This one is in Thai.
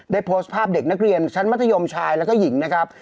โพสต์ภาพเด็กนักเรียนชั้นมัธยมชายแล้วก็หญิงนะครับ